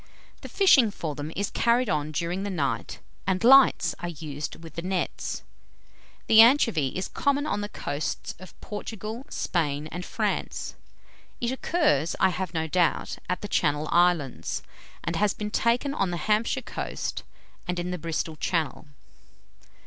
The fishing for them is carried on during the night, and lights are used with the nets. The anchovy is common on the coasts of Portugal, Spain, and France. It occurs, I have no doubt, at the Channel Islands, and has been taken on the Hampshire coast, and in the Bristol Channel."